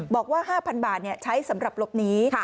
บอกว่า๕๐๐บาทใช้สำหรับหลบหนี